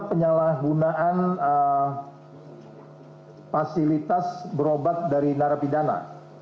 penyalahgunaan fasilitas berobat dari narapidana